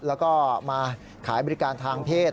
แล้วก็มาขายบริการทางเพศ